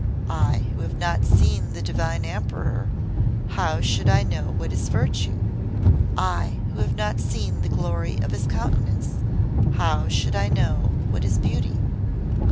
I, who have not seen the Divine Emperor, how should I know what is virtue? I, who have not seen the glory of his countenance, how should I know what is beauty?